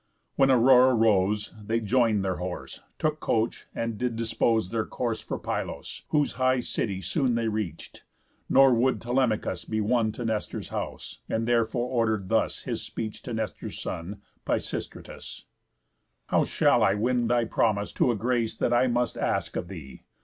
When Aurora rose, They join'd their horse, took coach, and did dispose Their course for Pylos; whose high city soon They reach'd. Nor would Telemachus be won To Nestor's house, and therefore order'd thus His speech to Nestor's son, Pisistratus: "How shall I win thy promise to a grace That I must ask of thee?